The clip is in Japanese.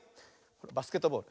バスケットボール。